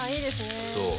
そう。